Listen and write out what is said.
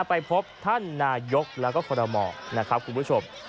ไปพบท่านนายกแล้วก็คอรมอนะครับคุณผู้ชม